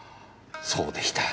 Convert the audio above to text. そうでした。